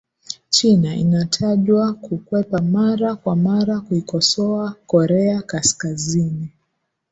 china inatajwa kukwepa mara kwa mara kuikosoa korea kaskazini